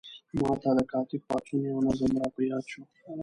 ما ته د کاتب پاڅون یو نظم را په یاد شو.